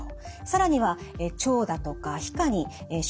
更には腸だとか皮下に出血が現れます。